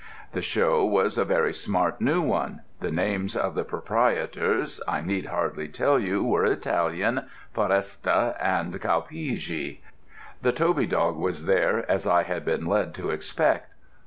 The show was a very smart new one; the names of the proprietors, I need hardly tell you, were Italian, Foresta and Calpigi. The Toby dog was there, as I had been led to expect.